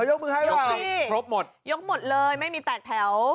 เออยกมึงให้หรือเปล่าพรบหมดยกสิยกหมดเลยไม่มีแตกแถว